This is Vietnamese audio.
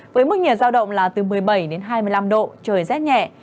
với mức nhiệt giao động là từ một mươi bảy đến hai mươi năm độ trời rét nhẹ